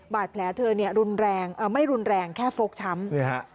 บาดแผลเธอเนี่ยรุนแรงเอ่อไม่รุนแรงแค่ฟกช้ำ